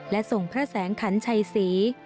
และส่งพระแสงขันไชศี